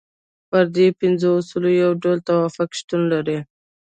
پر دې پنځو اصولو یو ډول توافق شتون لري.